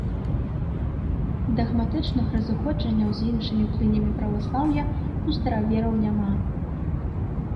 Дагматычных разыходжанняў з іншымі плынямі праваслаўя ў старавераў няма.